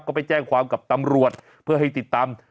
ก็ไปแจ้งความกับตำรวจเพื่อให้ติดตาม